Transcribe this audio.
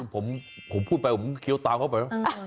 ผมพูดไปผมเคี้ยวตามเข้าไป